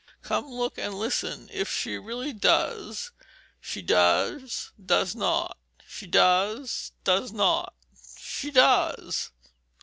Come, look, and listen if she really does, She does, does not, she does, does not, she does."